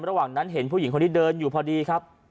ระหว่างนั้นเห็นผู้หญิงคนนี้เดินอยู่พอดีครับ